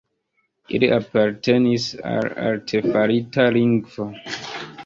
Ili apartenis al artefarita lingvo.